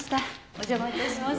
お邪魔いたします。